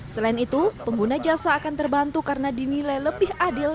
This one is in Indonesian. selain itu pengguna jasa akan terbantu karena dinilai lebih adil